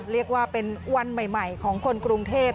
เรียกว่าเป็นวันใหม่ของคนกรุงเทพ